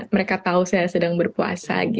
mereka tahu saya sedang berpuasa